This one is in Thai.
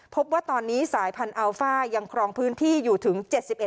พบว่าตอนนี้สายพันธุ์อัลฟ่ายังครองพื้นที่อยู่ถึง๗๑